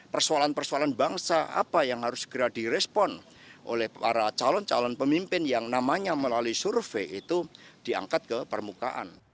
persoalan persoalan bangsa apa yang harus segera direspon oleh para calon calon pemimpin yang namanya melalui survei itu diangkat ke permukaan